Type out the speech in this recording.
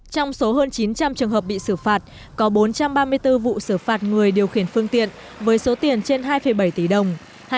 trong số hơn chín trăm linh trường hợp bị xử phạt có bốn trăm ba mươi bốn vụ xử phạt người điều khiển phương tiện với số tiền trên hai bảy tỷ đồng